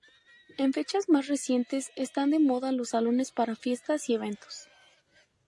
En fechas más recientes están de moda los salones para fiestas y eventos.